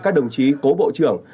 các đồng chí cố bộ trưởng